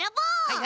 はい！